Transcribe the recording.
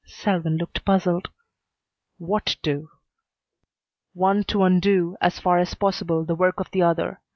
Selwyn looked puzzled. "What two?" "One to undo, as far as possible, the work of the other.